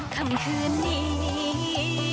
คำคืนนี้